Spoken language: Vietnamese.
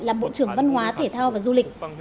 làm bộ trưởng văn hóa thể thao và du lịch